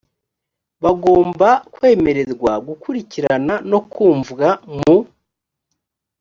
bagomba kwemererwa gukurikirana no kumvwa mu